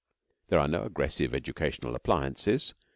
There are no aggressive educational appliances.